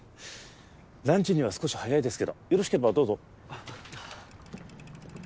ランチには少し早いですけどよろしければどうぞ。